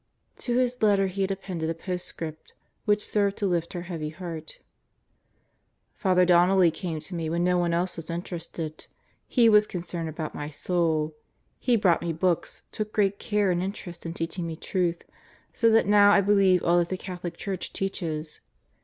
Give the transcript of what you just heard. To his letter he had appended a postscript which served to lift her heavy heart: Father Donnelly came to me when no one else was interested. He was concerned about my soul. He brought me books, took great care and interest in teaching me truth, so that now I believe all that the Catholic Church teaches.